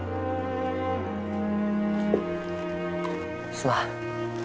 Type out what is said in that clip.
すまん。